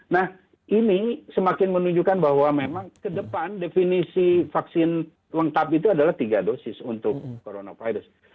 nah ini semakin menunjukkan bahwa memang ke depan definisi vaksin lengkap itu adalah tiga dosis untuk coronavirus